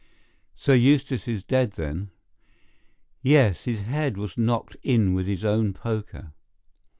"Sir Eustace is dead, then?" "Yes, his head was knocked in with his own poker."